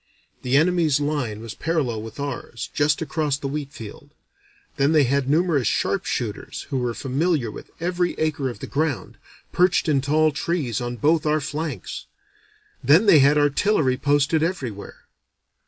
The enemy's line was parallel with ours, just across the wheat field; then they had numerous sharpshooters, who were familiar with every acre of the ground, perched in tall trees on both our flanks; then they had artillery posted everywhere.